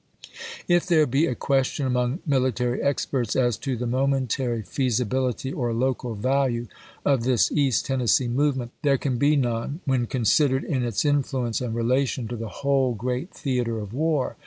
If there be a question among military experts as to the momentary feasibility or local value of this East Tennessee movement, there can be none when considered in its influence and relation to the whole great theater of war.